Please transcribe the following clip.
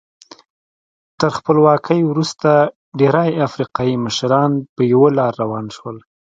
تر خپلواکۍ وروسته ډېری افریقایي مشران په یوه لار روان شول.